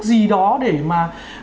gì đó để mà